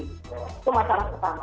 itu masalah pertama